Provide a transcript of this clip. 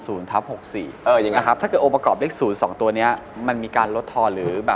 สู้ไปทำเหมือนล้อนเงินทำเหมือนคนกระโมยเงินบ้านไปอย่างงี้